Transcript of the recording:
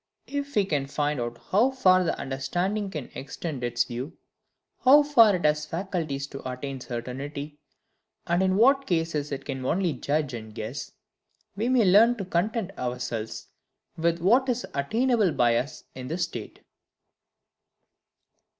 If we can find out how far the understanding can extend its view; how far it has faculties to attain certainty; and in what cases it can only judge and guess, we may learn to content ourselves with what is attainable by us in this state.